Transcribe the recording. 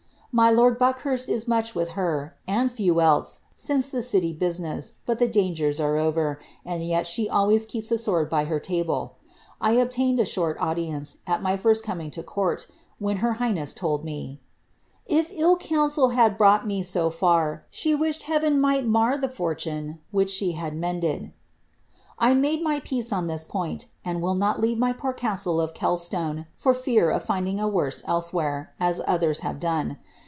My lor hurst is much with her, and few else, since the city business, dangers are over, and yel she always keeps a sword by her I obtained a short audience, at my first coming to court, when h ness told me, ^ If ill counsel liad brought me so far, she wished might mar the fortune which she had mended.' 1 made my p this point, and will not leave my poor casile of Kelsione, fof finding a worse elsewhere, as oihere have done.